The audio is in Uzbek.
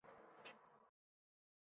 Lekin o‘ta xavfli edi.